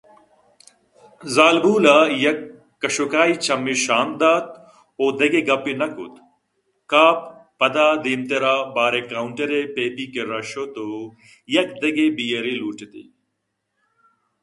زالبول ءَ یک کشوکائی چمّے شانک داتءُدگہ گپےّ نہ کُت کاف پدا دیمترا بار ءِ کاوئنٹر ءَ پیپی کِرّا شت ءُیک دگہ بئیر ے لوٹ اِت